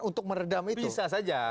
untuk meredam itu sah saja